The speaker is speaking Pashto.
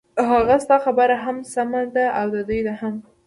ههه ستا خبره هم سمه ده او د دوی هم.